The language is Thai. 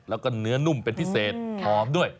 แล้วก็เนื้อนุ่มเป็นพิเศษหอมด้วย